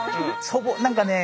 何かね